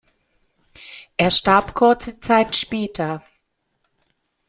Er starb kurze Zeit später.